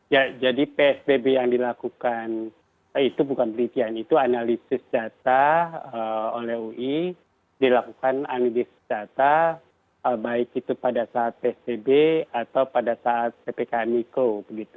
ya jadi psbb yang dilakukan itu bukan penelitian itu analisis data oleh ui dilakukan analisis data baik itu pada saat psbb atau pada saat ppkm mikro